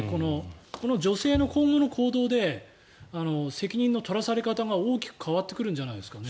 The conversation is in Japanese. この女性の今後の行動で責任の取らされ方が大きく変わってくるんじゃないですかね？